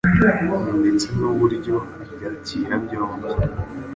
ndetse n’uburyo abyakira byombi.